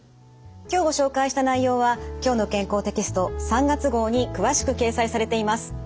今日ご紹介した内容は「きょうの健康」テキスト３月号に詳しく掲載されています。